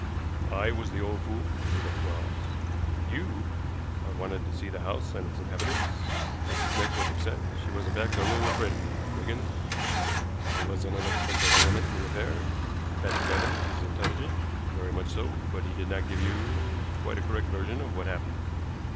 "I was the old fool," said Quarles. "You?" "I wanted to see the house and its inhabitants. Mrs. Smith was upset; she was, in fact, a little afraid of me, Wigan. I was an unexpected element in the affair. Patrick Evans is intelligent very much so; but he did not give you quite a correct version of what happened.